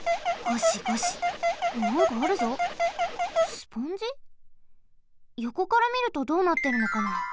よこからみるとどうなってるのかな。